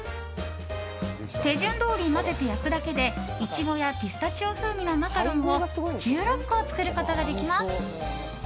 手順どおり混ぜて焼くだけでイチゴやピスタチオ風味のマカロンを１６個作ることができます。